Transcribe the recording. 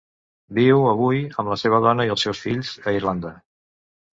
Viu, avui, amb la seva dona i els seus fills, a Irlanda.